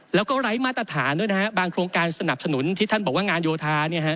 แล้วก็ไร้มาตรฐานด้วยนะฮะบางโครงการสนับสนุนที่ท่านบอกว่างานโยธา